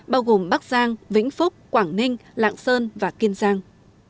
bao gồm bắc giang vĩnh phúc quảng ninh lạng sơn và kiên giang